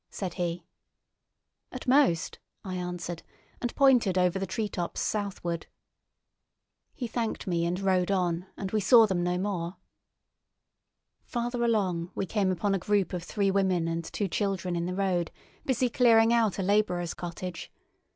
said he. "At most," I answered, and pointed over the treetops southward. He thanked me and rode on, and we saw them no more. Farther along we came upon a group of three women and two children in the road, busy clearing out a labourer's cottage.